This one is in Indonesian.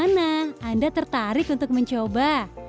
tenang anda tertarik untuk mencoba